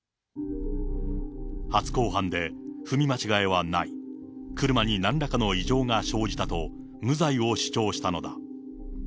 初公判で踏み間違えはない、車になんらかの異常が生じたと無罪を主張したのだ。